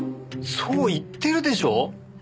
そう言ってるでしょう！